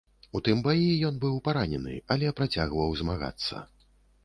У тым баі ён быў паранены, але працягваў змагацца.